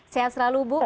sehat selalu bu